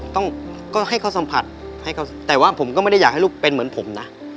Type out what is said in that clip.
ต้องก็ให้เขาสัมผัสให้เขาแต่ว่าผมก็ไม่ได้อยากให้ลูกเป็นเหมือนผมนะ